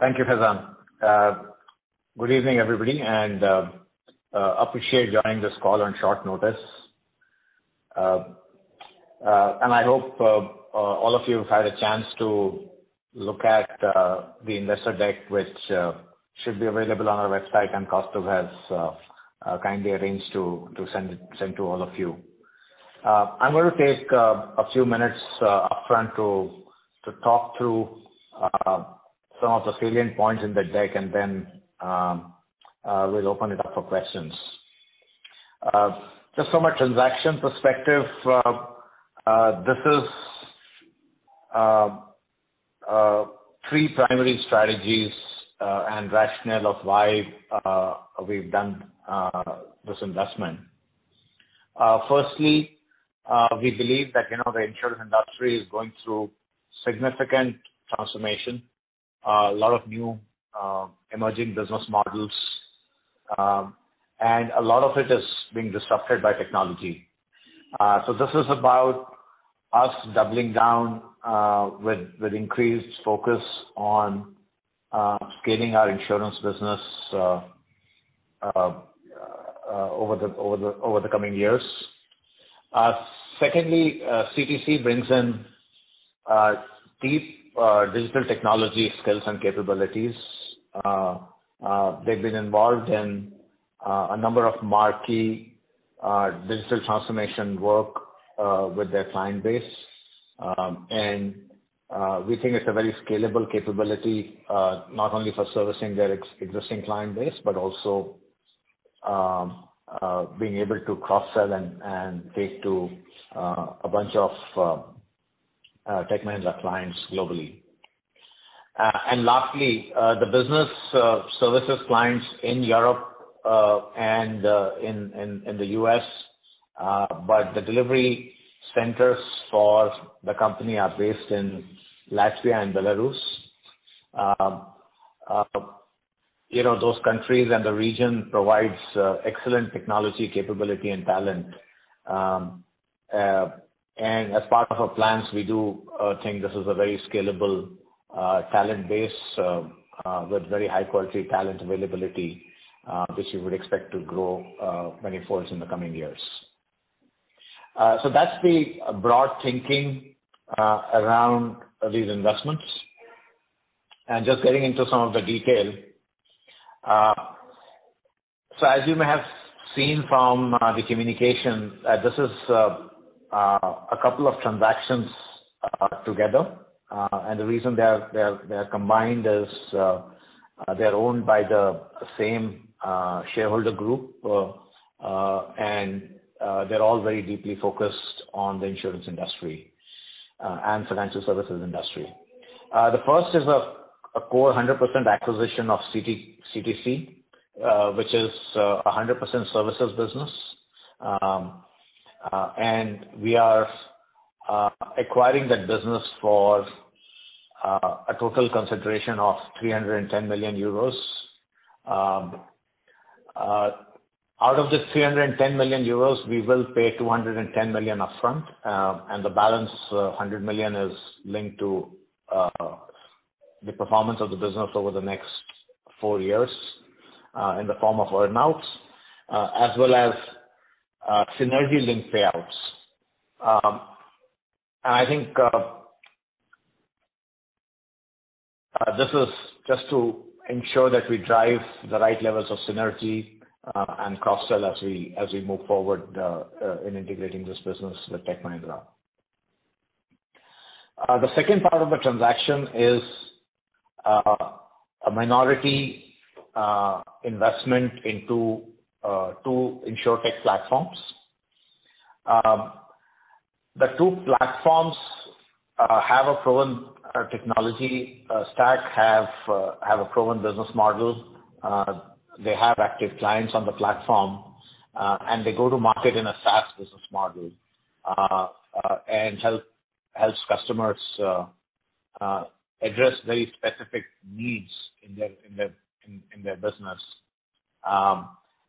Thank you, Faizan. Good evening, everybody, and I appreciate joining this call on short notice. I hope all of you have had a chance to look at the investor deck which should be available on our website and Kaustubh has kindly arranged to send it to all of you. I'm gonna take a few minutes upfront to talk through some of the salient points in the deck and then we'll open it up for questions. Just from a transaction perspective, this is three primary strategies and rationale of why we've done this investment. Firstly, we believe that, you know, the insurance industry is going through significant transformation. A lot of new emerging business models, and a lot of it is being disrupted by technology. This is about us doubling down with increased focus on scaling our insurance business over the coming years. Secondly, CTC brings in deep digital technology skills and capabilities. They've been involved in a number of marquee digital transformation work with their client base. And we think it's a very scalable capability, not only for servicing their existing client base, but also being able to cross-sell and take to a bunch of Tech Mahindra clients globally. Lastly, the business services clients in Europe and in the U.S., but the delivery centers for the company are based in Latvia and Belarus. You know, those countries and the region provides excellent technology capability and talent. As part of our plans, we do think this is a very scalable talent base with very high-quality talent availability, which you would expect to grow many folds in the coming years. That's the broad thinking around these investments. Just getting into some of the detail. As you may have seen from the communication, this is a couple of transactions together. The reason they are combined is they're owned by the same shareholder group, and they're all very deeply focused on the insurance industry and financial services industry. The first is a core 100% acquisition of CTC, which is a 100% services business. We are acquiring that business for a total consideration of 310 million euros. Out of this 310 million euros, we will pay 210 million upfront, and the balance of 100 million is linked to the performance of the business over the next four years, in the form of earn-outs as well as synergy-linked payouts. I think this is just to ensure that we drive the right levels of synergy and cross-sell as we move forward in integrating this business with Tech Mahindra. The second part of the transaction is a minority investment into two insurtech platforms. The two platforms have a proven technology stack and a proven business model. They have active clients on the platform, and they go to market in a SaaS business model and help customers address very specific needs in their business.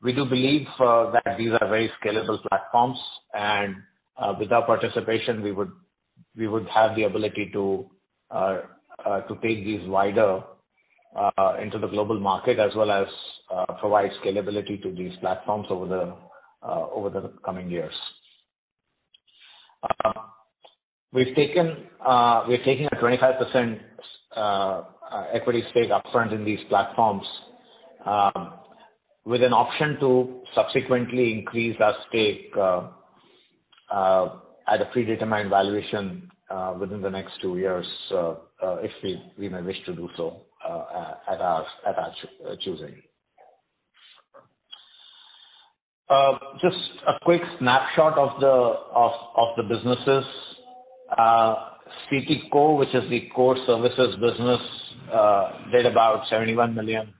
We do believe that these are very scalable platforms and with our participation, we would have the ability to take these wider into the global market, as well as provide scalability to these platforms over the coming years. We've taken a 25% equity stake upfront in these platforms with an option to subsequently increase our stake at a predetermined valuation within the next two years if we may wish to do so at our choosing. Just a quick snapshot of the businesses. CTC, which is the core services business, did about 71 million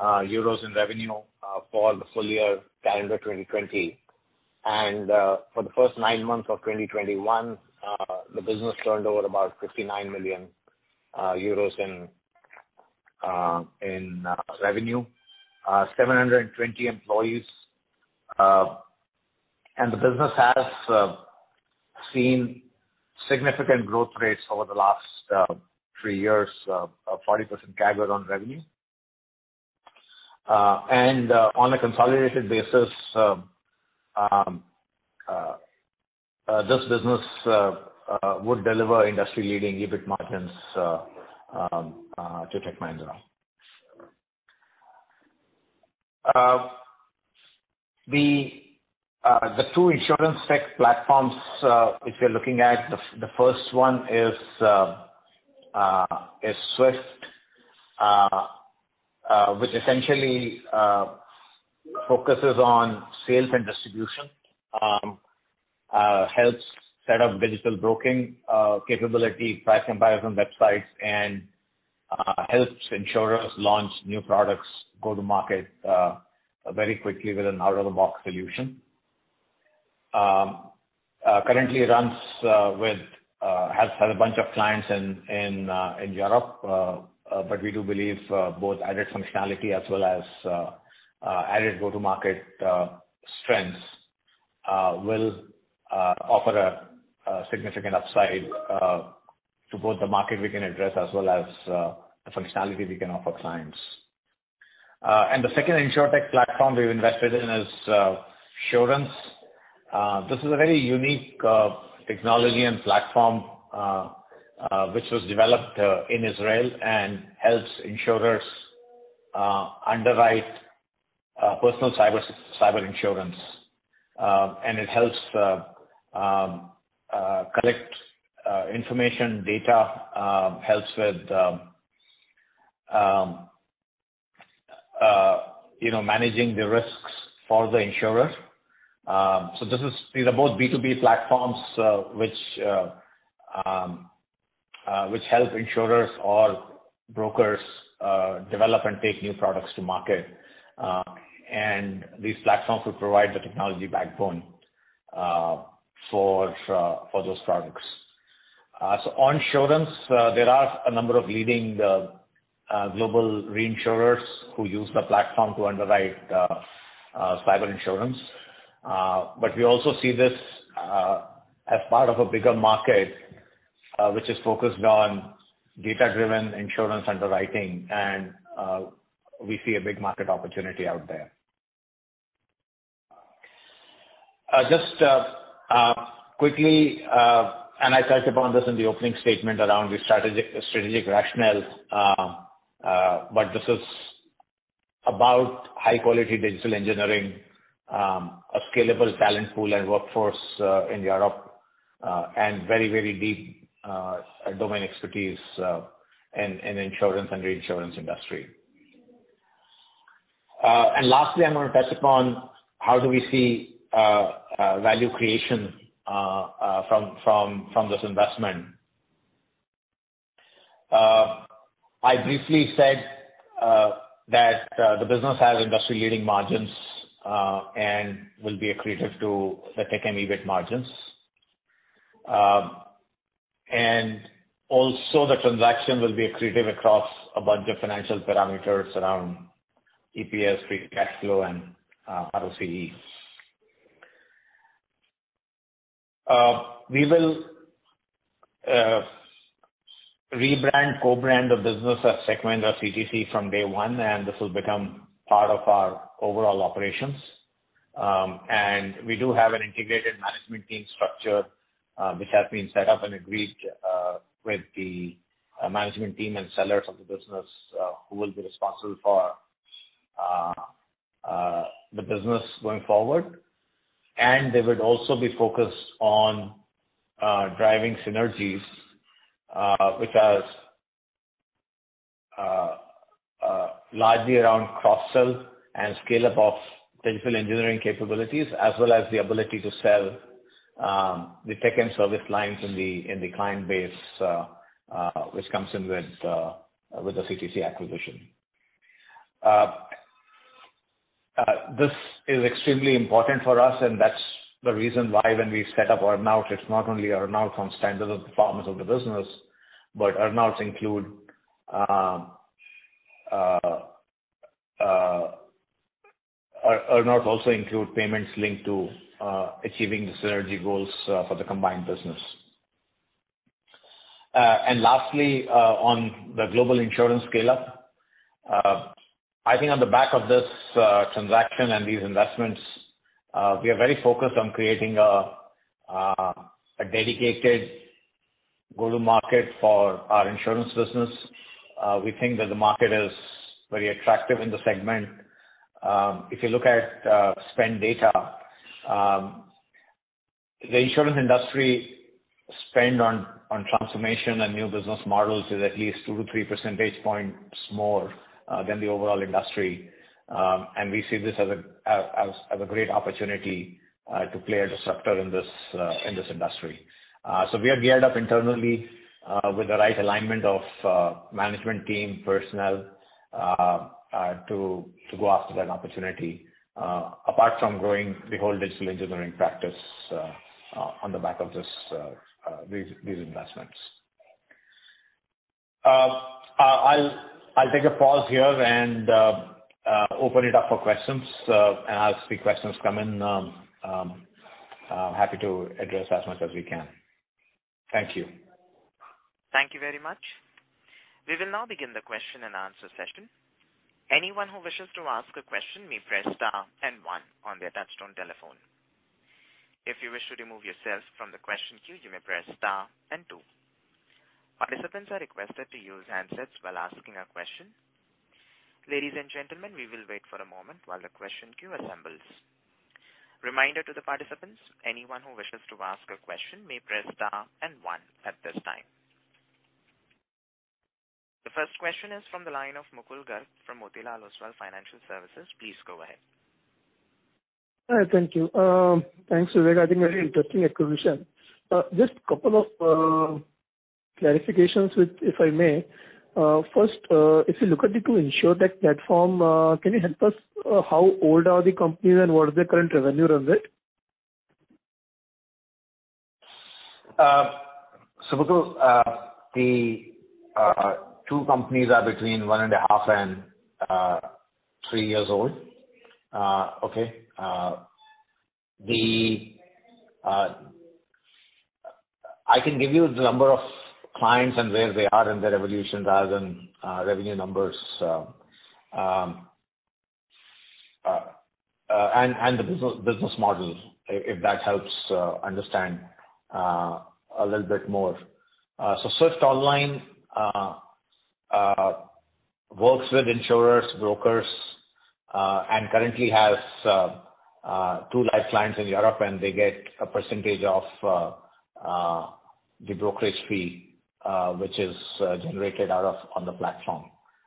euros in revenue for the full year calendar 2020. For the first nine months of 2021, the business turned over about 59 million euros in revenue. 720 employees. The business has seen significant growth rates over the last three years of 40% CAGR on revenue. On a consolidated basis, this business would deliver industry-leading EBIT margins to TechMah. The two insurance tech platforms which we are looking at, the first one is SWFT, which essentially focuses on sales and distribution. It helps set up digital broking capability, price comparison websites, and helps insurers launch new products, go to market very quickly with an out-of-the-box solution. Has a bunch of clients in Europe. We do believe both added functionality as well as added go-to-market strengths will offer a significant upside to both the market we can address as well as the functionality we can offer clients. The second insurtech platform we've invested in is Surance.io. This is a very unique technology and platform which was developed in Israel and helps insurers underwrite personal cyber insurance. It helps collect information data, helps with you know managing the risks for the insurer. These are both B2B platforms which help insurers or brokers develop and take new products to market, and these platforms will provide the technology backbone for those products. On Surance.io, there are a number of leading global reinsurers who use the platform to underwrite cyber insurance. We also see this as part of a bigger market which is focused on data-driven insurance underwriting, and we see a big market opportunity out there. Just quickly, I touched upon this in the opening statement around the strategic rationale. This is about high-quality digital engineering, a scalable talent pool and workforce in Europe, and very, very deep domain expertise in insurance and reinsurance industry. Lastly, I'm gonna touch upon how we see value creation from this investment. I briefly said that the business has industry-leading margins and will be accretive to the Tech M and EBIT margins. Also, the transaction will be accretive across a bunch of financial parameters around EPS, free cash flow and ROCE. We will rebrand, co-brand the business as a segment of CTC from day one, and this will become part of our overall operations. We do have an integrated management team structure, which has been set up and agreed with the management team and sellers of the business, who will be responsible for the business going forward. They would also be focused on driving synergies, which are largely around cross-sell and scale-up of digital engineering capabilities, as well as the ability to sell the Tech and service lines in the client base, which comes in with the CTC acquisition. This is extremely important for us, and that's the reason why when we set up earn-out, it's not only earn-out on standalone performance of the business, but earn-outs include earn-out also include payments linked to achieving the synergy goals for the combined business. Lastly, on the global insurance scale-up, I think on the back of this transaction and these investments, we are very focused on creating a dedicated go-to-market for our insurance business. We think that the market is very attractive in the segment. If you look at spend data, the insurance industry spend on transformation and new business models is at least two-three percentage points more than the overall industry. We see this as a great opportunity to play a disruptor in this industry. We are geared up internally with the right alignment of management team, personnel to go after that opportunity, apart from growing the whole digital engineering practice on the back of these investments. I'll take a pause here and open it up for questions. As the questions come in, I'm happy to address as much as we can. Thank you. Thank you very much. We will now begin the question-and-answer session. Anyone who wishes to ask a question may press star and one on their touch-tone telephone. If you wish to remove yourself from the question queue, you may press star and two. Participants are requested to use handsets while asking a question. Ladies and gentlemen, we will wait for a moment while the question queue assembles. Reminder to the participants, anyone who wishes to ask a question may press star and one at this time. The first question is from the line of Mukul Garg from Motilal Oswal Financial Services. Please go ahead. Hi. Thank you. Thanks, Vivek. I think very interesting acquisition. Just couple of clarifications, if I may. First, if you look at the two insurtech platform, can you help us how old are the companies and what is the current revenue of it? Mukul, the two companies are between one and a half and three years old. Okay. I can give you the number of clients and where they are in their evolution rather than revenue numbers, and the business model if that helps understand a little bit more. SWFT Online works with insurers, brokers, and currently has two life clients in Europe, and they get a percentage of the brokerage fee which is generated on the platform.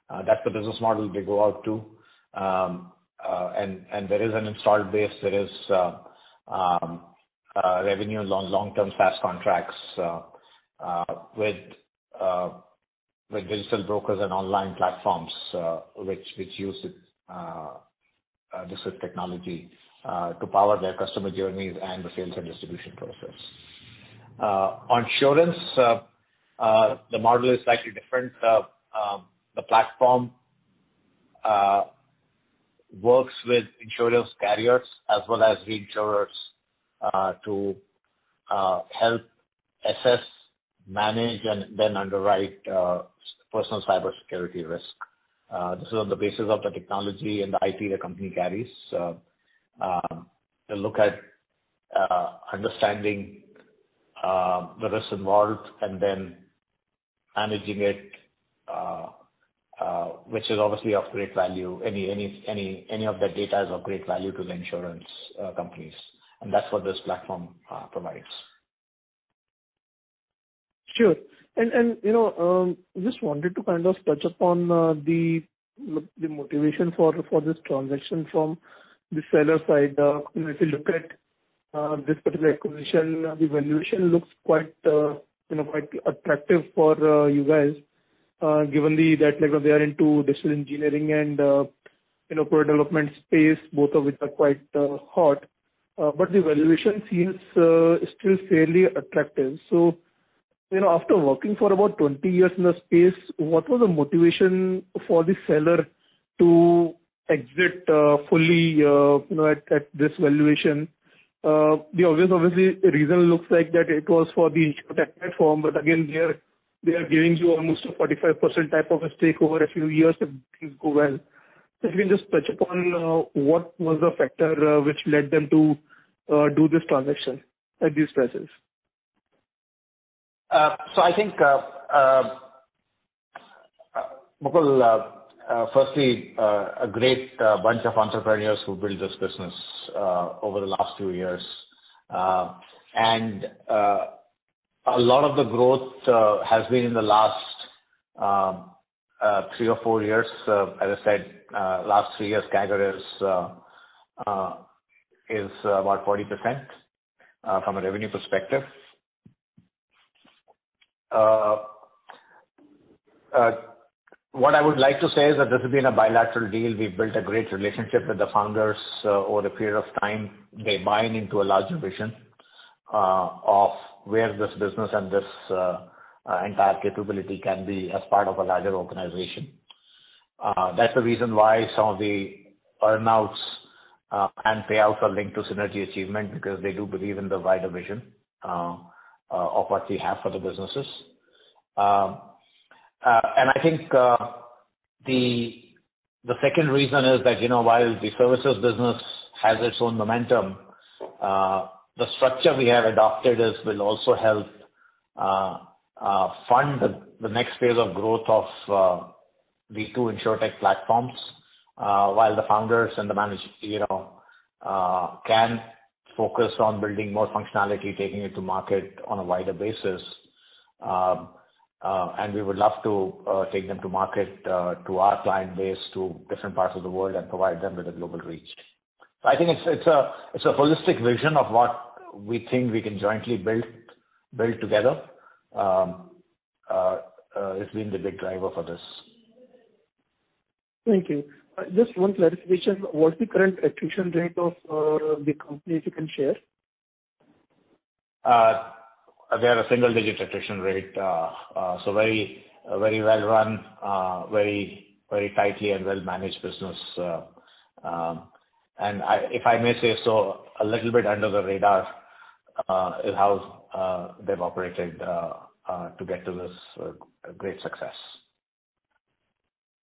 That's the business model they go out to. There is an installed base. There is revenue from long-term SaaS contracts with digital brokers and online platforms which use the SWFT technology to power their customer journeys and the sales and distribution process. On Surance.io, the model is slightly different. The platform works with insurance carriers as well as reinsurers to help assess, manage, and then underwrite personal cybersecurity risk. This is on the basis of the technology and the IT that the company carries. They look at understanding the risk involved and then managing it which is obviously of great value. Any of that data is of great value to the insurance companies, and that's what this platform provides. Sure. You know, just wanted to kind of touch upon the motivation for this transaction from the seller side. You know, if you look at this particular acquisition, the valuation looks quite, you know, quite attractive for you guys, given that, like, they are into digital engineering and, you know, product development space, both of which are quite hot. But the valuation seems still fairly attractive. You know, after working for about 20 years in the space, what was the motivation for the seller to exit fully, you know, at this valuation? The obvious reason looks like that it was for the insurtech platform, but again, they are giving you almost a 45% type of a stake over a few years if things go well. If you can just touch upon what was the factor which led them to do this transaction at these prices? I think, Mukul, firstly, a great bunch of entrepreneurs who built this business over the last few years. A lot of the growth has been in the last three or four years. As I said, last three years CAGR is about 40% from a revenue perspective. What I would like to say is that this has been a bilateral deal. We've built a great relationship with the founders over the period of time. They buy into a larger vision of where this business and this entire capability can be as part of a larger organization. That's the reason why some of the earn-outs and payouts are linked to synergy achievement because they do believe in the wider vision of what we have for the businesses. I think the second reason is that, you know, while the services business has its own momentum, the structure we have adopted will also help fund the next phase of growth of the two insurtech platforms, while the founders you know can focus on building more functionality, taking it to market on a wider basis. We would love to take them to market to our client base, to different parts of the world and provide them with a global reach. I think it's a holistic vision of what we think we can jointly build together has been the big driver for this. Thank you. Just one clarification. What's the current attrition rate of the company, if you can share? They have a single-digit attrition rate. Very, very well run. Very, very tightly and well-managed business. If I may say so, a little bit under the radar is how they've operated to get to this great success.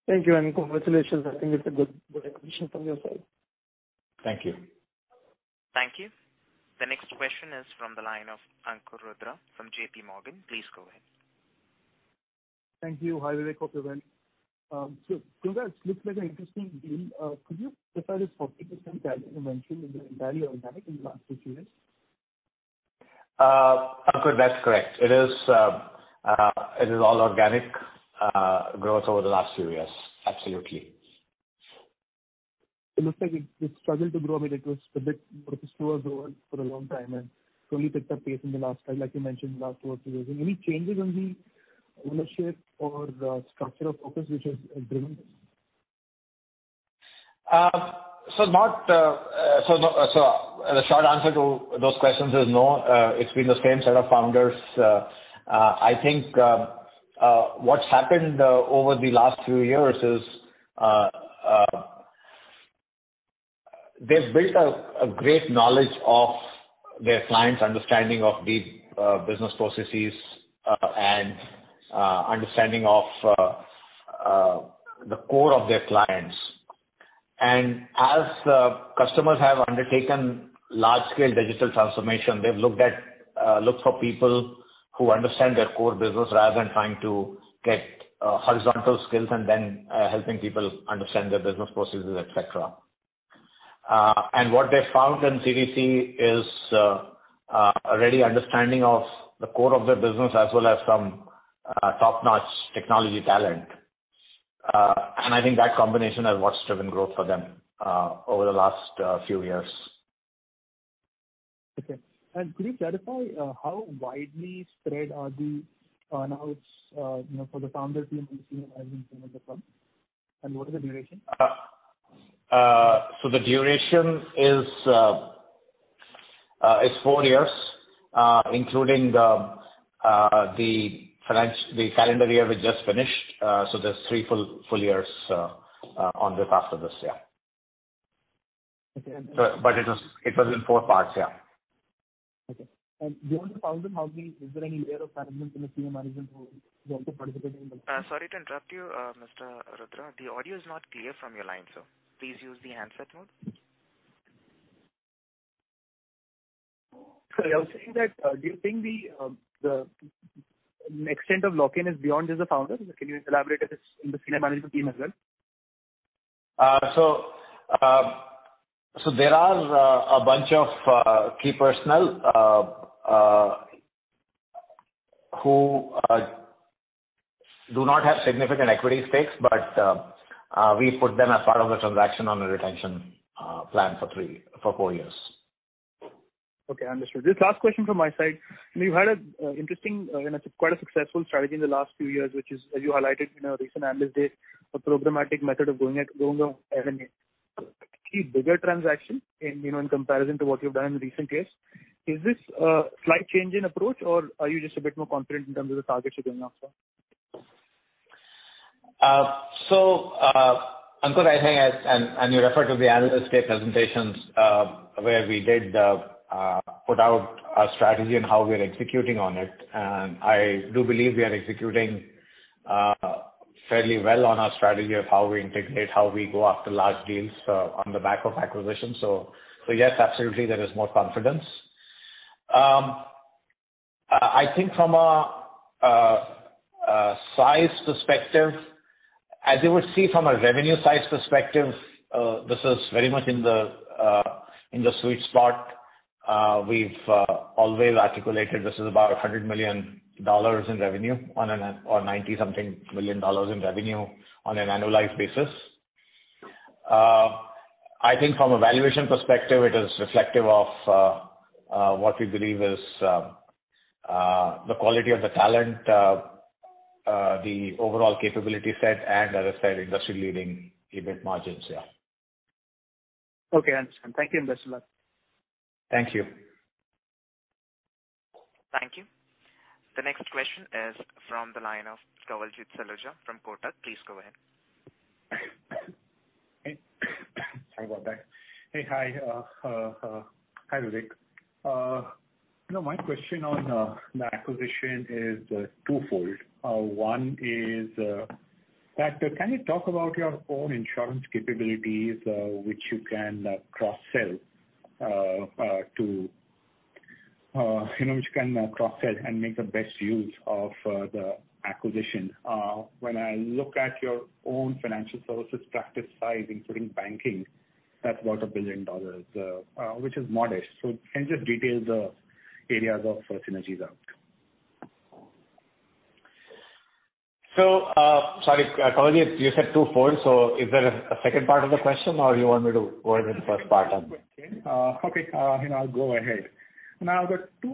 Thank you, and congratulations. I think it's a good acquisition from your side. Thank you. Thank you. The next question is from the line of Ankur Rudra from J.P. Morgan. Please go ahead. Thank you. Hi, Vivek. Hope you're well. It looks like an interesting deal. Could you clarify this 40% value you mentioned, is it entirely organic in the last few years? Ankur, that's correct. It is all organic growth over the last few years. Absolutely. It looks like it struggled to grow. I mean, it was a bit more of a slow grower for a long time, and slowly picked up pace in the last time, like you mentioned, the last two or three years. Any changes in the ownership or the structural focus which has driven this? The short answer to those questions is no. It's been the same set of founders. I think what's happened over the last few years is they've built a great knowledge of their clients, understanding of the business processes, and understanding of the core of their clients. As the customers have undertaken large-scale digital transformation, they've looked for people who understand their core business rather than trying to get horizontal skills and then helping people understand their business processes, et cetera. What they found in CTC is a ready understanding of the core of their business as well as some top-notch technology talent. I think that combination is what's driven growth for them over the last few years. Okay. Could you clarify how widely spread are the earn-outs, you know, for the founder team and senior management of the firm, and what is the duration? The duration is four years, including the calendar year we just finished. There's three full years on this after this. Okay. It was in four parts. Yeah. Okay. Beyond the founder, is there any layer of management in the senior management who want to participate in the? Sorry to interrupt you, Mr. Rudra. The audio is not clear from your line, sir. Please use the handset mode. Sorry. I was saying that, do you think the extent of lock-in is beyond just the founders? Can you elaborate if it's in the senior management team as well? There are a bunch of key personnel who do not have significant equity stakes, but we put them as part of the transaction on a retention plan for four years. Okay, understood. Just last question from my side. You've had an interesting and quite a successful strategy in the last few years, which is, as you highlighted in a recent analyst day, a programmatic method of going after M&A. Particularly bigger transaction in comparison to what you've done in recent years. Is this a slight change in approach, or are you just a bit more confident in terms of the targets you're going after? Ankur, I think you referred to the analyst day presentations, where we did put out our strategy and how we are executing on it. I do believe we are executing fairly well on our strategy of how we integrate, how we go after large deals on the back of acquisitions. Yes, absolutely, there is more confidence. I think from a size perspective, as you would see from a revenue size perspective, this is very much in the sweet spot. We've always articulated this is about $100 million in revenue on an annualized basis or $90-something million in revenue on an annualized basis. I think from a valuation perspective, it is reflective of what we believe is the quality of the talent, the overall capability set and, as I said, industry-leading EBIT margins. Yeah. Okay, understood. Thank you. Best of luck. Thank you. Thank you. The next question is from the line of Kawaljeet Saluja from Kotak. Please go ahead. Sorry about that. Hey. Hi, Vivek. You know, my question on the acquisition is twofold. One is that can you talk about your own insurance capabilities, which you can cross-sell and make the best use of the acquisition? When I look at your own financial services practice size, including banking, that's about $1 billion, which is modest. Can you just detail the areas of synergies out? Sorry, Kawaljeet, you said twofold, so is there a second part of the question or you want me to go over the first part? Okay, you know, I'll go ahead. Now, the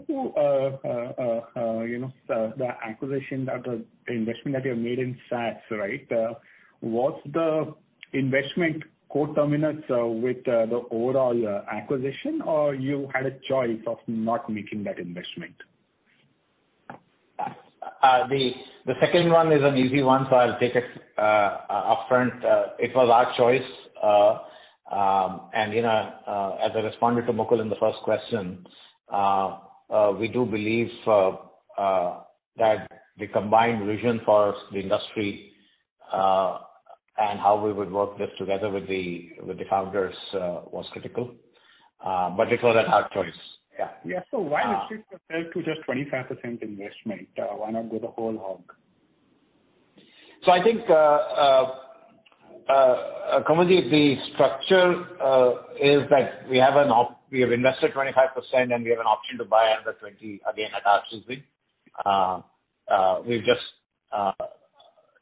acquisition or the investment that you have made in SaaS, right? Was the investment co-terminal with the overall acquisition, or you had a choice of not making that investment? The second one is an easy one, so I'll take it upfront. It was our choice. You know, as I responded to Mukul in the first question, we do believe that the combined vision for the industry and how we would work this together with the founders was critical, but it was a hard choice. Yeah. Yeah. Why restrict yourself to just 25% investment? Why not go the whole hog? I think, Kawaljeet, the structure is that we have invested 25% and we have an option to buy another 20 again at our choosing. We just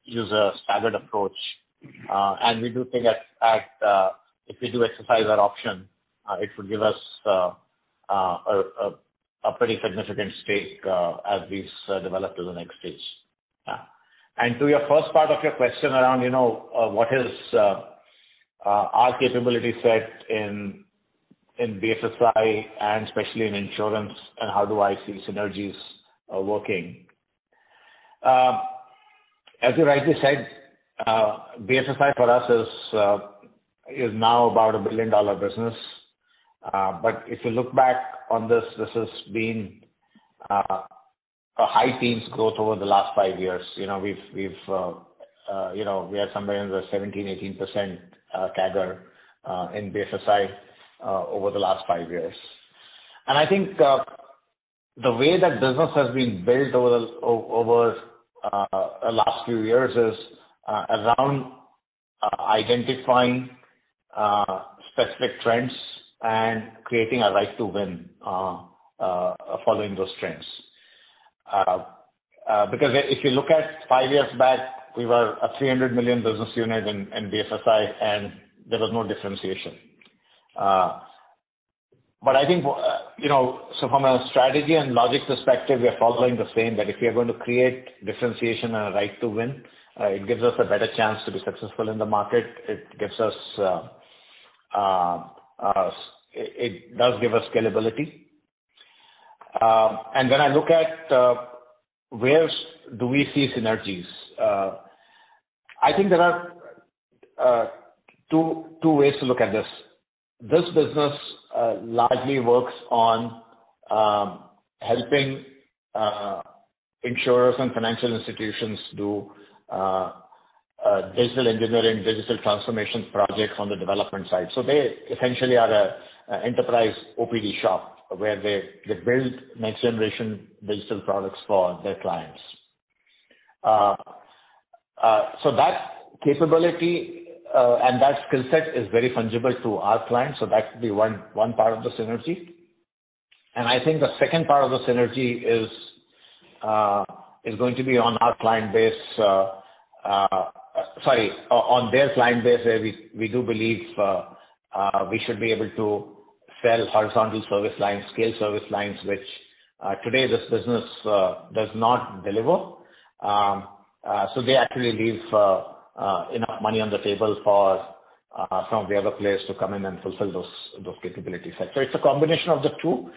use a staggered approach, and we do think that if we do exercise that option, it would give us a pretty significant stake as we develop to the next stage. And to your first part of your question around, you know, what is our capability set in BFSI and especially in insurance, and how do I see synergies working? As you rightly said, BFSI for us is now about a billion-dollar business. If you look back on this has been a high-teens growth over the last five years. You know, we've you know, we are somewhere in the 17%-18% CAGR in BFSI over the last five years. I think the way that business has been built over last few years is around identifying specific trends and creating a right to win following those trends. Because if you look at five years back, we were a 300 million business unit in BFSI, and there was no differentiation. I think, you know, so from a strategy and logic perspective, we are following the same, that if we are going to create differentiation and a right to win, it gives us a better chance to be successful in the market. It gives us scalability. When I look at where do we see synergies, I think there are two ways to look at this. This business largely works on helping insurers and financial institutions do digital engineering, digital transformation projects on the development side. They essentially are a enterprise OPD shop where they build next generation digital products for their clients. That capability and that skill set is very fungible to our clients, so that could be one part of the synergy. I think the second part of the synergy is going to be on our client base, sorry, on their client base, where we do believe we should be able to sell horizontal service lines, scale service lines, which today this business does not deliver. They actually leave enough money on the table for some of the other players to come in and fulfill those capability sets. It's a combination of the two.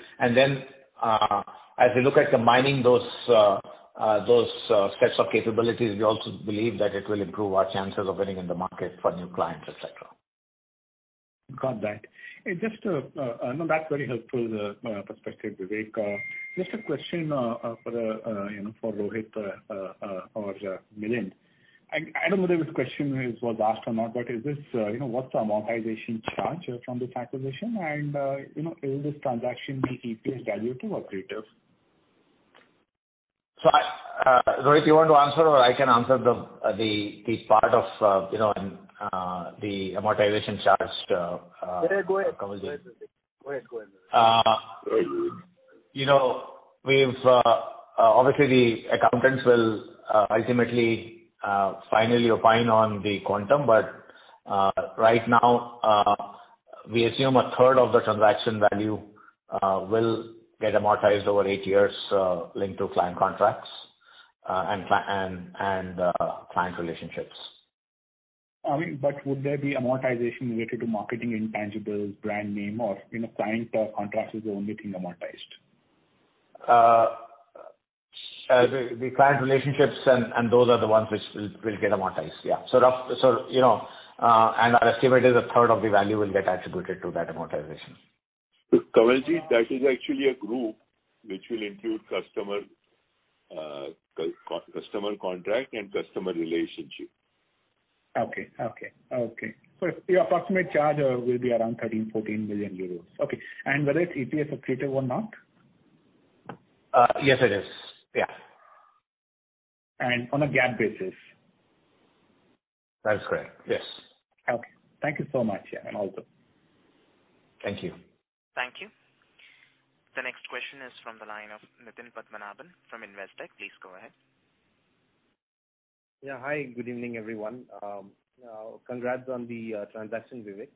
As we look at combining those sets of capabilities, we also believe that it will improve our chances of winning in the market for new clients, et cetera. Got that. Just, no, that's very helpful perspective, Vivek. Just a question, for you know, for Rohit, or Milind. I don't know whether this question was asked or not, but is this, you know, what's the amortization charge from this acquisition and, you know, will this transaction be EPS dilutive or accretive? I, Rohit, you want to answer or I can answer the part of, you know, and the amortization charged, Go ahead. Go ahead, Vivek. You know, we've obviously the accountants will ultimately finally opine on the quantum, but right now we assume a third of the transaction value will get amortized over eight years, linked to client contracts and client relationships. I mean, would there be amortization related to marketing intangibles, brand name or, you know, client contracts is the only thing amortized? The client relationships and those are the ones which will get amortized. Yeah. Roughly, you know, our estimate is a third of the value will get attributed to that amortization. Kawaljeet, that is actually a group which will include customer contract and customer relationship. Okay. The approximate charge will be around 13 million euros-EUR14 million. Okay. Whether it's EPS accretive or not? Yes, it is. Yeah. On a GAAP basis? That is correct, yes. Okay. Thank you so much. Yeah, and all the best. Thank you. Thank you. The next question is from the line of Nitin Padmanabhan from Investec. Please go ahead. Yeah, hi. Good evening, everyone. Congrats on the transaction, Vivek.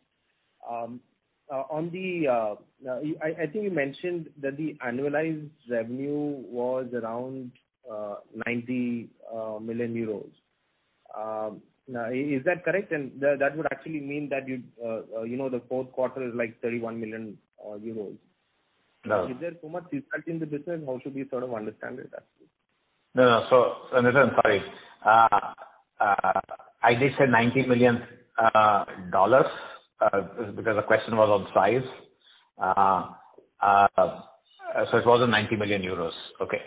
I think you mentioned that the annualized revenue was around 90 million euros. Is that correct? That would actually mean that you'd, you know, the fourth quarter is like 31 million euros. No. Is there too much effect in the business? How should we sort of understand it actually? No, no. Nitin, sorry. I did say $90 million because the question was on size. It wasn't EUR 90 million. Okay.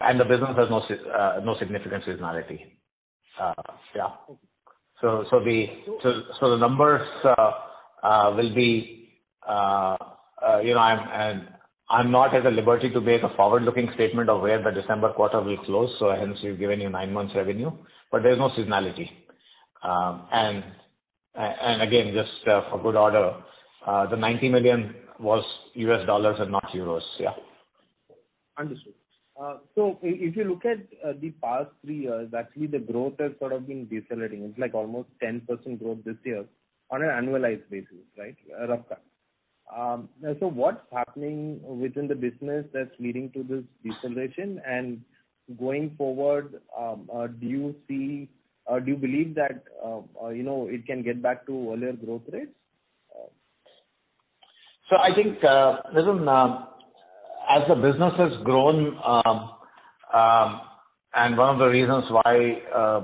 And the business has no significant seasonality. Yeah. Okay. The numbers, you know, I'm not at the liberty to make a forward-looking statement of where the December quarter will close, hence we've given you nine months revenue, but there's no seasonality. And again, just for good order, the $90 million was USD and not EUR. Yeah. Understood. If you look at the past three years, actually the growth has sort of been decelerating. It's like almost 10% growth this year on an annualized basis, right? Rough cut. What's happening within the business that's leading to this deceleration? Going forward, do you see or do you believe that, you know, it can get back to earlier growth rates? I think, Nitin, as the business has grown, and one of the reasons why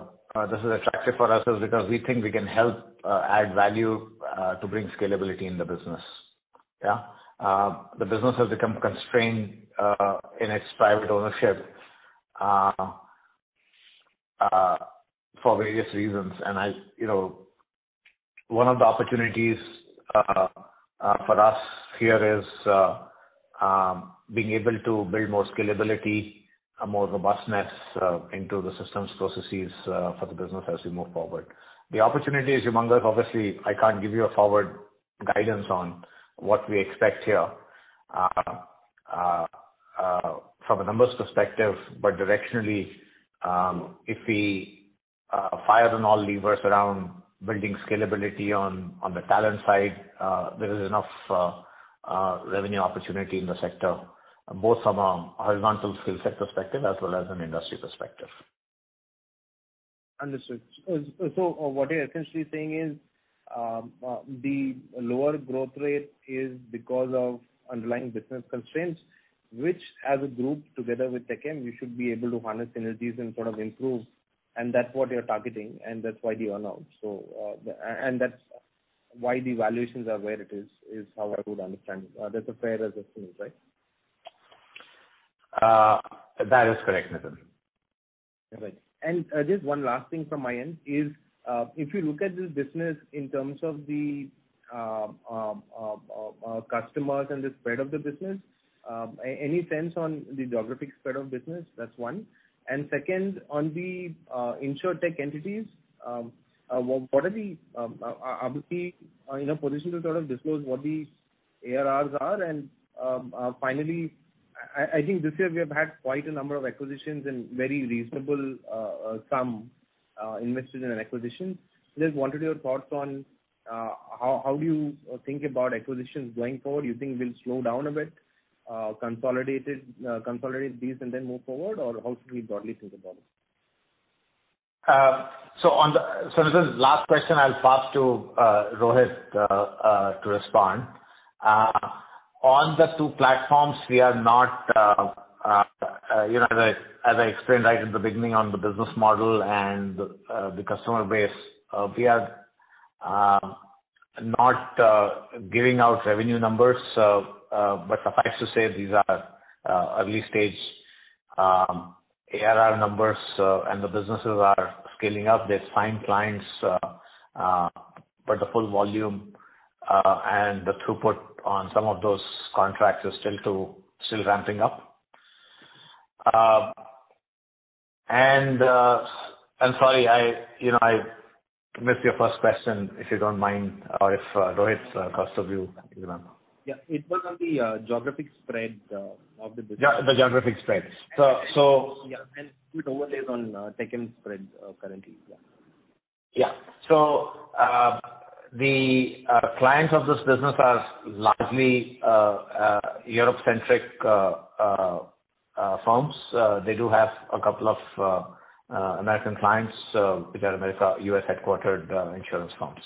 this is attractive for us is because we think we can help add value to bring scalability in the business. Yeah. The business has become constrained in its private ownership for various reasons. I, you know, one of the opportunities for us here is being able to build more scalability, a more robustness into the systems processes for the business as we move forward. The opportunity is humongous. Obviously, I can't give you a forward guidance on what we expect here from a numbers perspective. Directionally, if we fire on all levers around building scalability on the talent side, there is enough revenue opportunity in the sector, both from a horizontal skill set perspective as well as an industry perspective. Understood. What you're essentially saying is, the lower growth rate is because of underlying business constraints, which as a group together with Tech M, you should be able to harness synergies and sort of improve, and that's what you're targeting and that's why the earn-out. That's why the valuations are where it is how I would understand. That's a fair assumption, right? That is correct, Nitin. Right. Just one last thing from my end is if you look at this business in terms of the customers and the spread of the business, any sense on the geographic spread of business? That's one. Second, on the insurtech entities, are we in a position to sort of disclose what the ARRs are? Finally, I think this year we have had quite a number of acquisitions and very reasonable sum invested in acquisitions. Just wanted your thoughts on how do you think about acquisitions going forward? You think we'll slow down a bit, consolidate these and then move forward, or how should we broadly think about it? This is the last question I'll pass to Rohit to respond. On the two platforms, we are not, you know, as I explained right at the beginning on the business model and the customer base, we are not giving out revenue numbers. Suffice to say these are early stage ARR numbers, and the businesses are scaling up. They're signed clients, but the full volume and the throughput on some of those contracts is still ramping up. I'm sorry, you know, I missed your first question, if you don't mind, or if Rohit could answer you. Yeah. It was on the geographic spread of the business. The geographic spread. Yeah. It overlays on Tech M spread currently. Yeah. The clients of this business are largely Europe-centric firms. They do have a couple of American clients, which are American, U.S. headquartered insurance firms.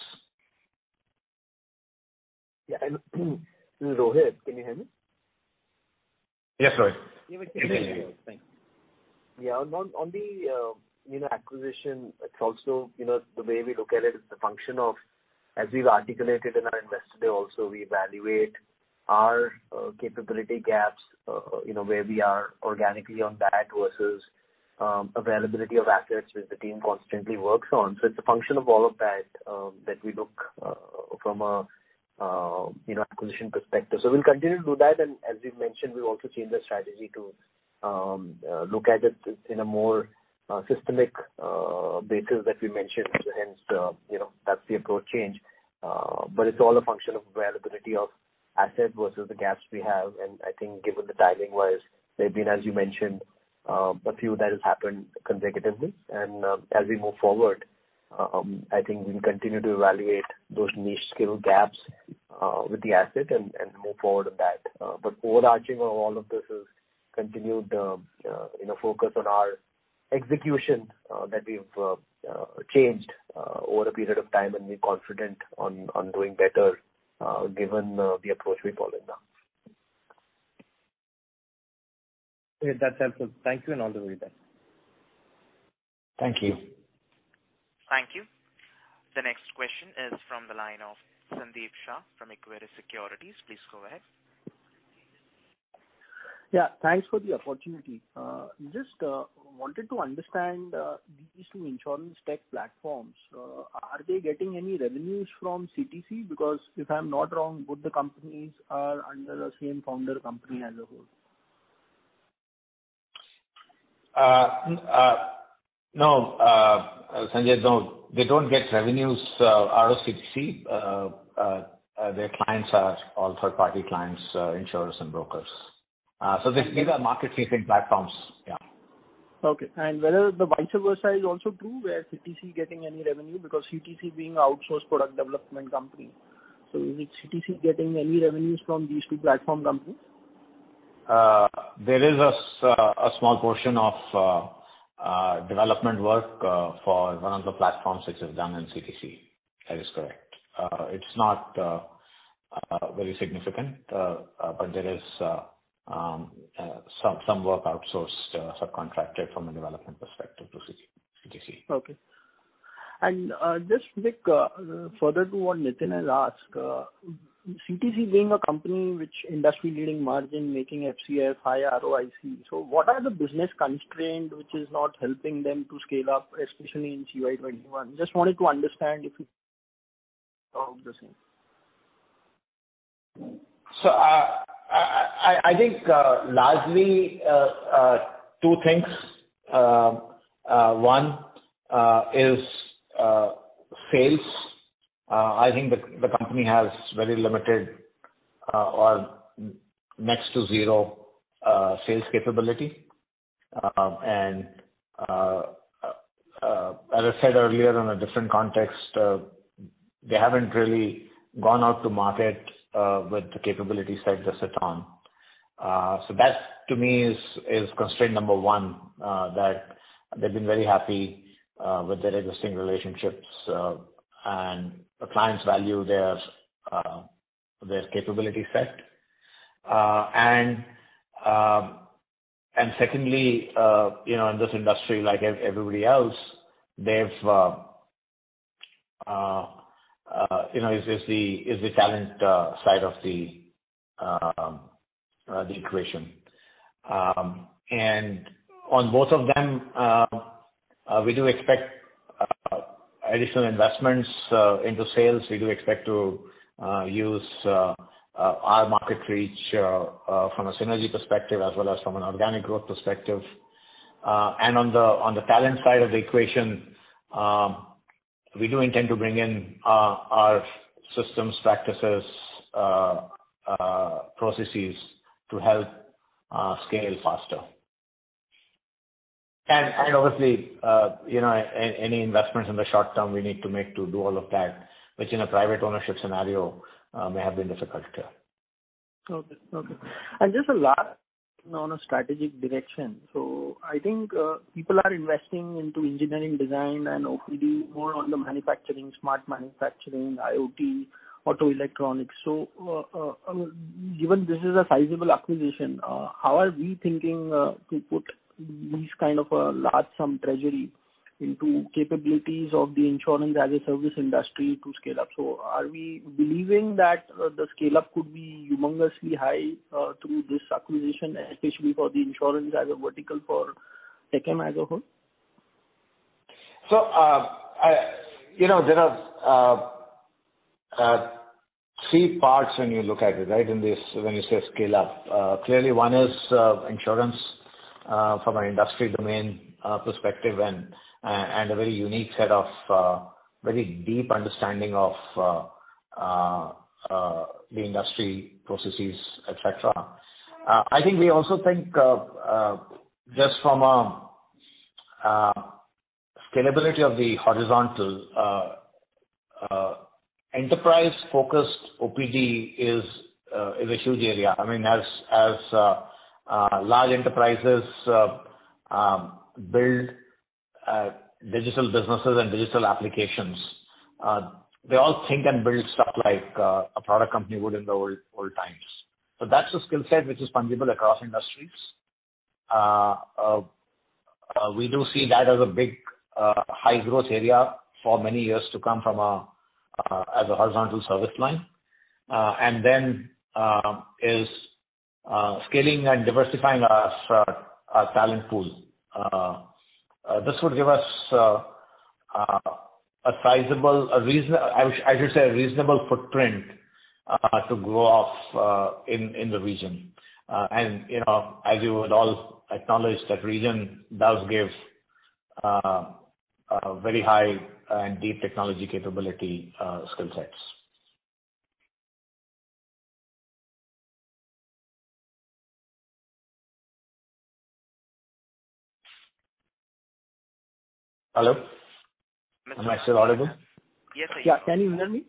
Yeah. Rohit, can you hear me? Yes, Rohit. Yeah, we can hear you. Thanks. Yeah. On the acquisition, it's also the way we look at it is the function of, as we've articulated in our investor day also, we evaluate our capability gaps, you know, where we are organically on that versus availability of assets which the team constantly works on. So it's a function of all of that we look. From a you know acquisition perspective. We'll continue to do that, and as we've mentioned, we've also changed the strategy to look at it in a more systematic basis that we mentioned. Hence the you know that's the approach change. It's all a function of availability of asset versus the gaps we have. I think given the timing-wise, there have been, as you mentioned, a few that have happened consecutively. As we move forward, I think we'll continue to evaluate those niche skill gaps with the asset and move forward on that. Overarching of all of this is continued, you know, focus on our execution that we've changed over a period of time, and we're confident on doing better, given the approach we follow now. Great. That's helpful. Thank you, and all the very best. Thank you. Thank you. The next question is from the line of Sandeep Shah from Equirus Securities. Please go ahead. Yeah, thanks for the opportunity. Just wanted to understand these two insurance tech platforms. Are they getting any revenues from CTC? Because if I'm not wrong, both the companies are under the same founder company as a whole. No. Sandeep, no. They don't get revenues out of CTC. Their clients are all third-party clients, insurers and brokers. These are market-facing platforms. Yeah. Okay. Whether the vice versa is also true, where CTC getting any revenue because CTC being outsourced product development company. Is CTC getting any revenues from these two platform companies? There is a small portion of development work for one of the platforms which is done in CTC. That is correct. It's not very significant, but there is some work outsourced, subcontracted from a development perspective to CTC. Okay. Just quick, further to what Nitin has asked, CTC being a company which industry-leading margin making FCF, high ROIC. What are the business constraint which is not helping them to scale up, especially in CY 2021? Just wanted to understand if you I think largely two things. One is sales. I think the company has very limited or next to zero sales capability. As I said earlier in a different context, they haven't really gone out to market with the capability set they sit on. That to me is constraint number one that they've been very happy with their existing relationships and the clients value their capability set. Secondly, you know, in this industry like everybody else, you know, is the talent side of the equation. On both of them we do expect additional investments into sales. We do expect to use our market reach from a synergy perspective as well as from an organic growth perspective. On the talent side of the equation, we do intend to bring in our systems practices processes to help scale faster. Obviously, you know, any investments in the short term we need to make to do all of that, which in a private ownership scenario may have been difficult to. Okay. Just a last on a strategic direction. I think people are investing into engineering design and OPD more on the manufacturing, smart manufacturing, IoT, auto electronics. Given this is a sizable acquisition, how are we thinking to put these kind of a large sum treasury into capabilities of the insurance-as-a-service industry to scale up? Are we believing that the scale up could be humongously high through this acquisition, especially for the insurance-as-a-vertical for TechMah as a whole? You know, there are three parts when you look at it, right? In this, when you say scale up, clearly one is insurance from an industry domain perspective and a very unique set of very deep understanding of the industry processes, et cetera. I think we also think just from a scalability of the horizontal enterprise-focused OPD is a huge area. I mean, as large enterprises build digital businesses and digital applications, they all think and build stuff like a product company would in the old times. That's a skill set which is fungible across industries. We do see that as a big high growth area for many years to come from as a horizontal service line. Scaling and diversifying our talent pool. This will give us a reasonable footprint to grow off in the region. You know, as you would all acknowledge, that region does give a very high and deep technology capability skill sets. Hello? Am I still audible? Yes. Yeah. Can you hear me?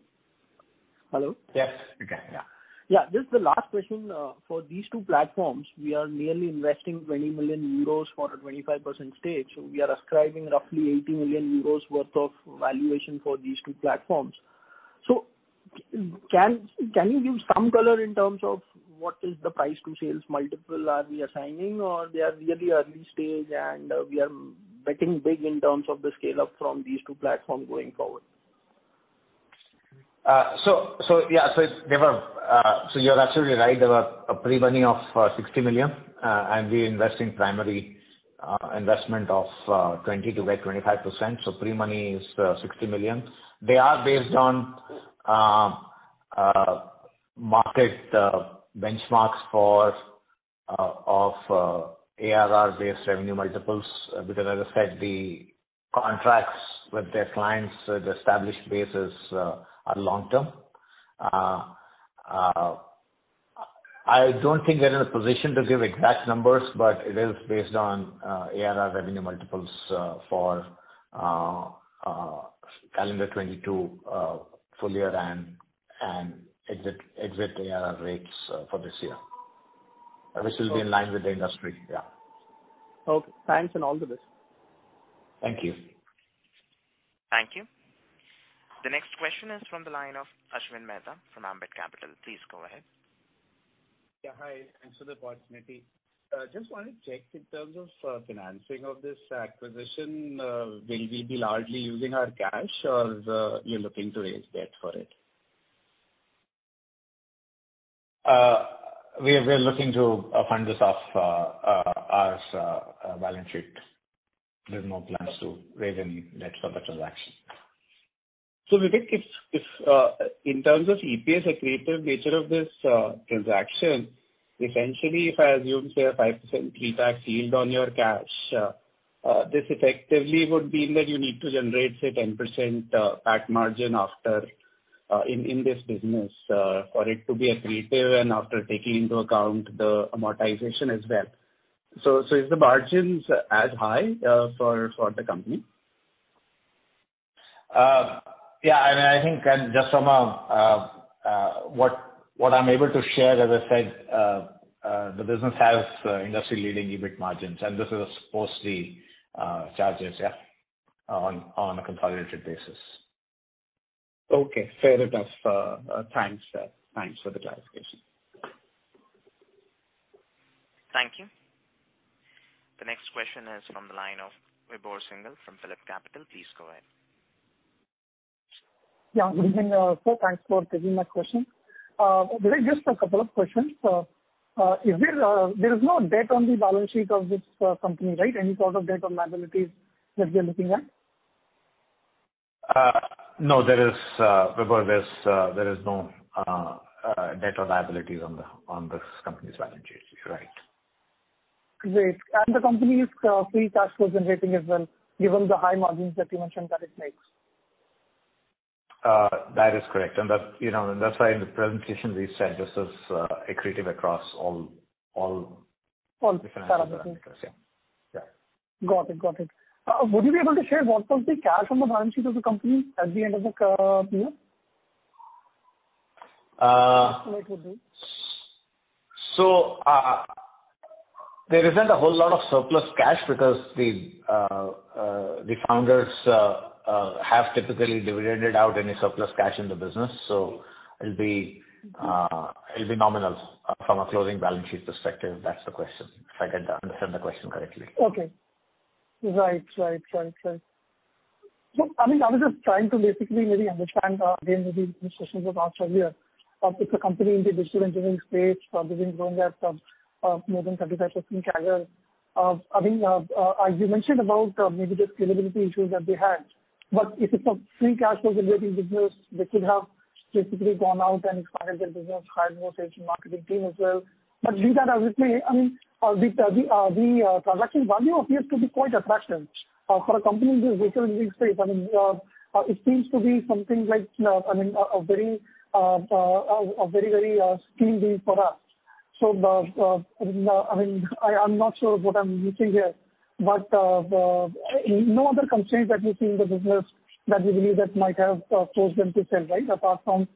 Hello? Yes. We can. Yeah. Yeah. Just the last question. For these two platforms, we are merely investing 20 million euros for a 25% stake, so we are ascribing roughly 80 million euros worth of valuation for these two platforms. Can you give some color in terms of what is the price to sales multiple are we assigning or they are really early stage and we are betting big in terms of the scale-up from these two platforms going forward? Yeah. You're absolutely right. There were a pre-money of 60 million, and we invest in primary investment of 20%-25%. Pre-money is 60 million. They are based on market benchmarks for ARR-based revenue multiples, because as I said, the contracts with their clients, the established base are long term. I don't think we're in a position to give exact numbers, but it is based on ARR revenue multiples for calendar 2022 full year and exit ARR rates for this year. Which will be in line with the industry, yeah. Okay. Thanks, and all the best. Thank you. Thank you. The next question is from the line of Ashwin Mehta from Ambit Capital. Please go ahead. Yeah. Hi. Thanks for the opportunity. Just wanted to check in terms of financing of this acquisition, will we be largely using our cash or are you looking to raise debt for it? We're looking to fund this off our balance sheet. There's no plans to raise any debt for the transaction. Vivek, if in terms of EPS accretive nature of this transaction, essentially if I assume, say, a 5% pre-tax yield on your cash, this effectively would mean that you need to generate, say, 10% PAT margin after in this business for it to be accretive and after taking into account the amortization as well. Is the margins as high for the company? Yeah, I mean, I think just from what I'm able to share, as I said, the business has industry-leading EBIT margins, and this is post the charges, yeah, on a consolidated basis. Okay. Fair enough. Thanks for the clarification. Thank you. The next question is from the line of Vibhor Singhal from PhillipCapital. Please go ahead. Yeah. Good evening, sir. Thanks for taking my question. Vivek, just a couple of questions. Is there no debt on the balance sheet of this company, right? Any sort of debt or liabilities that we are looking at? No, Vibhor, there is no debt or liabilities on this company's balance sheet. You're right. Great. The company is free cash flow generating as well, given the high margins that you mentioned that it makes. That is correct. That, you know, and that's why in the presentation we said this is accretive across all. All. the financials. Yeah. Yeah. Got it. Would you be able to share what was the cash on the balance sheet of the company at the end of the year? Uh- How much it would be? There isn't a whole lot of surplus cash because the founders have typically dividended out any surplus cash in the business. It'll be nominal from a closing balance sheet perspective, if that's the question. If I can understand the question correctly. Okay. Right. No, I mean, I was just trying to basically maybe understand, again, maybe these questions were asked earlier. If the company in the digital engineering space, they've been growing at more than 30% in CAGR, I mean, you mentioned about maybe the scalability issues that they had, but if it's a free cash flow generating business, they could have basically gone out and expanded their business, hired more sales and marketing team as well. Visakan, I would say, I mean, the transaction value appears to be quite attractive for a company in the digital engineering space. I mean, it seems to be something like a very scalable product. I mean, I'm not sure what I'm missing here, but no other constraints that you see in the business that you believe that might have forced them to sell, right? Apart from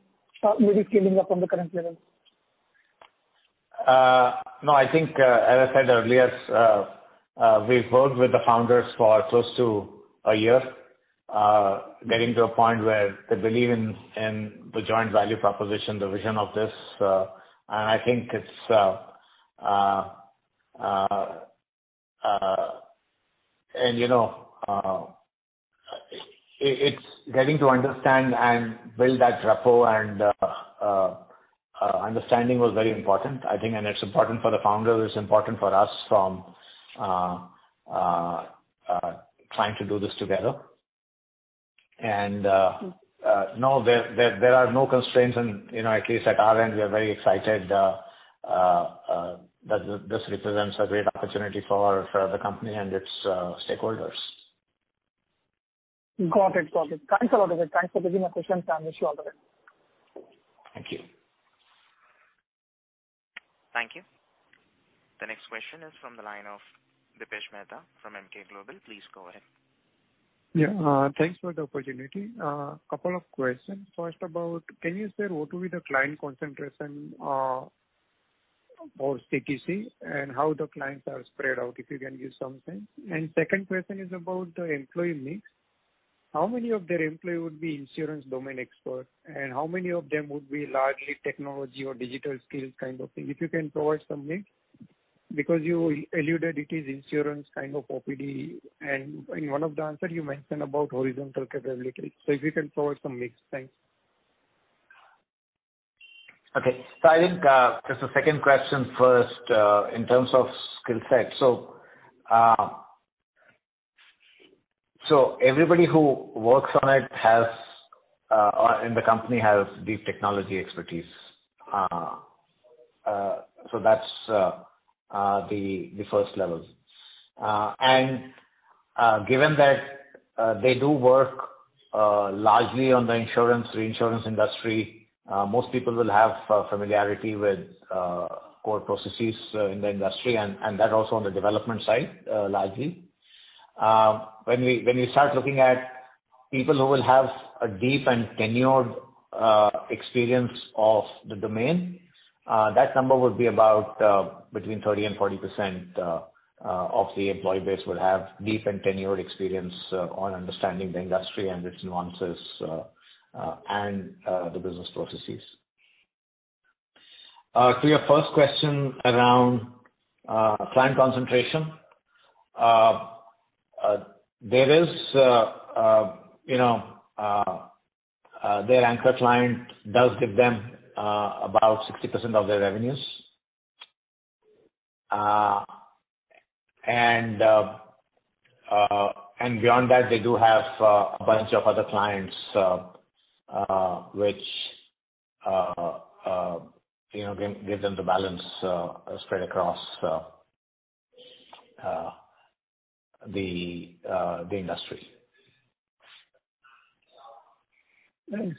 maybe scaling up on the current levels. No, I think, as I said earlier, we've worked with the founders for close to a year, getting to a point where they believe in the joint value proposition, the vision of this, and I think it's getting to understand and build that rapport and understanding was very important, I think, and it's important for the founders, it's important for us from trying to do this together. No, there are no constraints and, you know, at least at our end, we are very excited that this represents a great opportunity for the company and its stakeholders. Got it. Got it. Thanks a lot, Agarwal. Thanks for taking my questions. I wish you all the best. Thank you. Thank you. The next question is from the line of Dipesh Mehta from MK Global. Please go ahead. Yeah. Thanks for the opportunity. Couple of questions. First about can you share what will be the client concentration for CTC and how the clients are spread out, if you can give something. Second question is about the employee mix. How many of their employee would be insurance domain expert, and how many of them would be largely technology or digital skills kind of thing? If you can provide some mix. You alluded it is insurance kind of OPD, and in one of the answer you mentioned about horizontal capability. If you can provide some mix. Thanks. Okay. I think just the second question first in terms of skill set. Everybody who works on it has or in the company has deep technology expertise. That's the first level. Given that they do work largely on the insurance, reinsurance industry, most people will have familiarity with core processes in the industry and that also on the development side largely. When we start looking at people who will have a deep and tenured experience of the domain, that number would be about between 30%-40% of the employee base will have deep and tenured experience on understanding the industry and its nuances and the business processes. To your first question around client concentration, there is, you know, their anchor client does give them about 60% of their revenues. Beyond that, they do have a bunch of other clients, which you know give them the balance spread across the industry.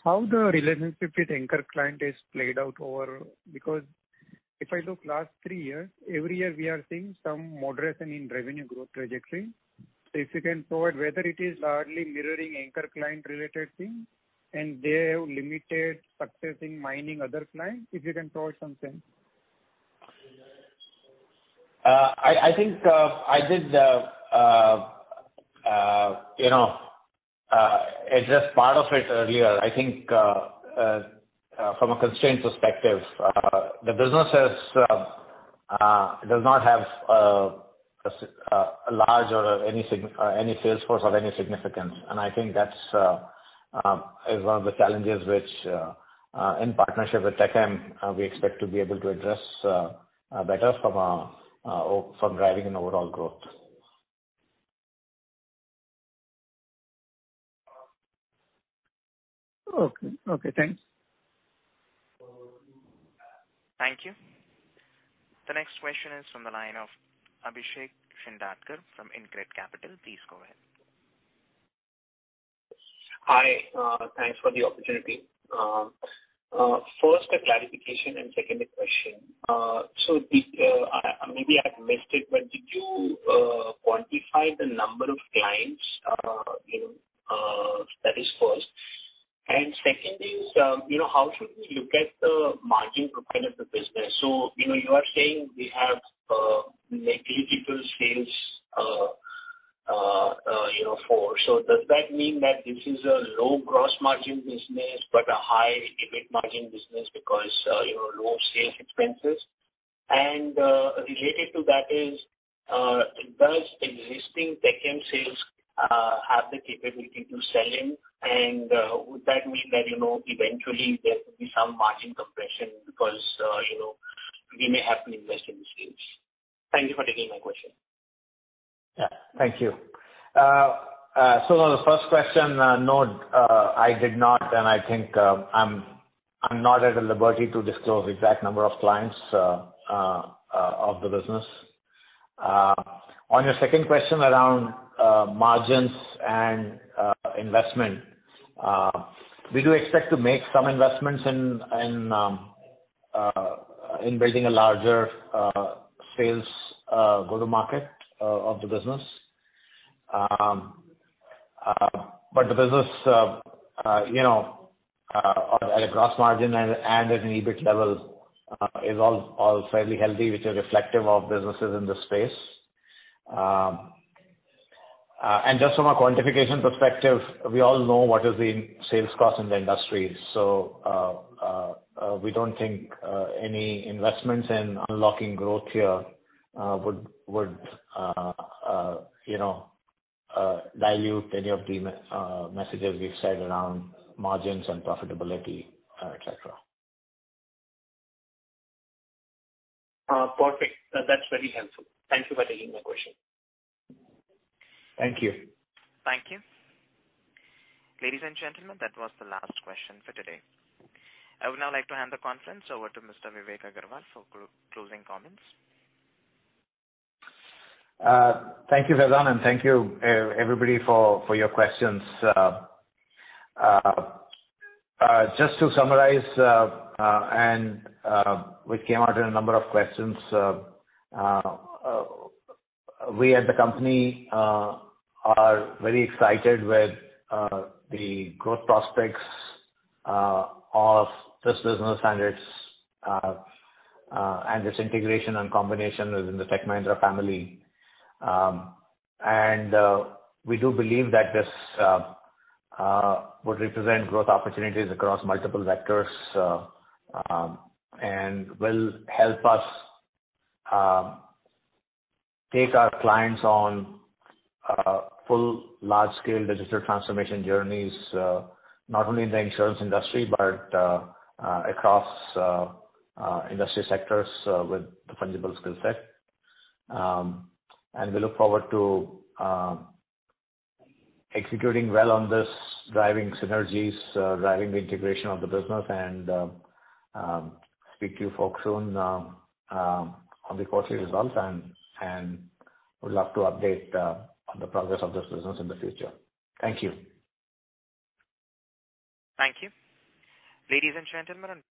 How the relationship with anchor client is played out over the last three years, because if I look at the last three years, every year we are seeing some moderation in revenue growth trajectory. If you can provide whether it is largely mirroring anchor client related thing and they have limited success in mining other clients, if you can provide something. I think I did, you know, address part of it earlier. I think from a constraint perspective the business does not have a large or any sales force of any significance. I think that's one of the challenges which in partnership with TechM we expect to be able to address better from driving an overall growth. Okay. Okay, thanks. Thank you. The next question is from the line of Abhishek Shindadkar from InCred Capital. Please go ahead. Hi. Thanks for the opportunity. First a clarification and second a question. Maybe I missed it, but did you quantify the number of clients? You know, that is first. Second is, you know, how should we look at the margin profile of the business? You know, you are saying we have negligible sales. Does that mean that this is a low gross margin business but a high EBIT margin business because, you know, low sales expenses? Related to that is, does existing TechM sales have the capability to sell in? Would that mean that, you know, eventually there could be some margin compression because, you know, we may have to invest in this case? Thank you for taking my question. Yeah. Thank you. On the first question, no, I did not, and I think I'm not at liberty to disclose exact number of clients of the business. On your second question around margins and investment, we do expect to make some investments in building a larger sales go-to-market of the business. The business, you know, at a gross margin and at an EBIT level, is all fairly healthy, which are reflective of businesses in this space. Just from a quantification perspective, we all know what is the sales cost in the industry. We don't think any investments in unlocking growth here would, you know, dilute any of the messages we've said around margins and profitability, et cetera. Perfect. That's very helpful. Thank you for taking my question. Thank you. Thank you. Ladies and gentlemen, that was the last question for today. I would now like to hand the conference over to Mr. Vivek Agarwal for closing comments. Thank you, Vedant, and thank you everybody for your questions. Just to summarize which came out in a number of questions. We at the company are very excited with the growth prospects of this business and its integration and combination within the Tech Mahindra family. We do believe that this would represent growth opportunities across multiple vectors and will help us take our clients on full large-scale digital transformation journeys, not only in the insurance industry, but across industry sectors, with the fungible skill set. We look forward to executing well on this, driving synergies, driving the integration of the business and speak to you folks soon on the quarterly results and would love to update on the progress of this business in the future. Thank you. Thank you. Ladies and gentlemen.